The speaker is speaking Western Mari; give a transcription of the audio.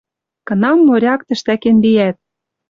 Кынам моряк тӹштӓкен лиӓт...» —